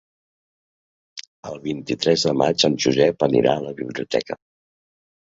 El vint-i-tres de maig en Josep anirà a la biblioteca.